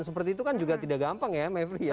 seperti itu kan juga tidak gampang ya mevri ya